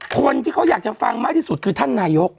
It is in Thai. คนที่เขาอยากจะฟังมากที่สุดคือท่านนายก